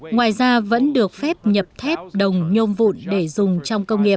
ngoài ra vẫn được phép nhập thép đồng nhôm vụn để dùng trong công nghiệp